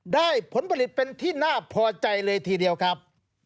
ผลผลิตเป็นที่น่าพอใจเลยทีเดียวครับ